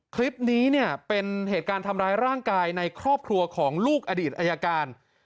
คลิปนี้เนี่ยเป็นเหตุการณ์ทำร้ายร่างกายในครอบครัวของลูกอดีตอายการ